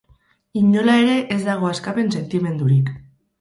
Inola ere ez dago askapen sentimendurik.